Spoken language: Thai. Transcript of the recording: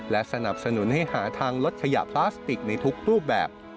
และสนับสนุนให้หาทางลดขยะพลาสติกในทุกรูปแบบ